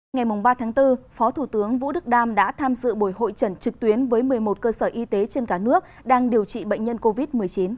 ngày ba bốn phó thủ tướng vũ đức đam đã tham dự buổi hội trận trực tuyến với một mươi một cơ sở y tế trên cả nước đang điều trị bệnh nhân covid một mươi chín